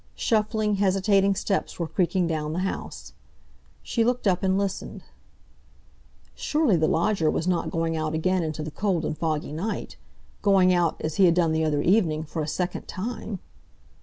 Shuffling, hesitating steps were creaking down the house. She looked up and listened. Surely the lodger was not going out again into the cold and foggy night—going out, as he had done the other evening, for a second time?